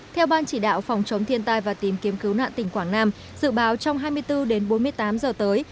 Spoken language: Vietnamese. theo ban chỉ đạo phòng chống thiên tai và tìm kiếm cứu nạn tỉnh quảng nam dự báo trong hai mươi bốn đến bốn mươi tám giờ tới